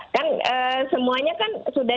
kan semuanya kan sudah